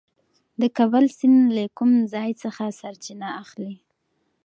د کابل سیند له کوم ځای څخه سرچینه اخلي؟